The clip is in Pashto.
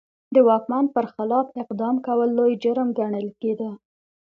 د واکمن پر خلاف اقدام کول لوی جرم ګڼل کېده.